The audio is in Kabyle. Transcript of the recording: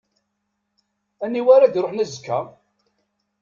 Aniwa ara d-iṛuḥen azekka?